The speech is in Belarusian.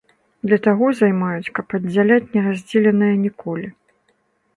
Для таго займаюць, каб аддзяляць не раздзеленае ніколі.